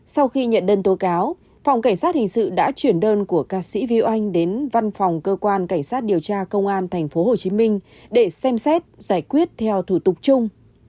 sau khi nhận đơn tố cáo phòng cảnh sát hình sự đã chuyển đơn của ca sĩ viu oanh đến văn phòng cơ quan cảnh sát điều tra công an tp hcm để xem xét giải quyết theo thủ tục chung